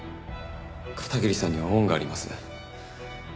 片桐さんには恩があります。